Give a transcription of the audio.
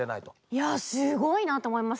いやすごいなと思いました。